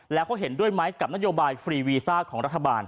แล้วเขาเห็นด้วยไหมกับนโยบายฟรีวีซ่าของรัฐบาล